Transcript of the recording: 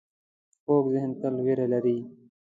کوږ ذهن تل وېره لري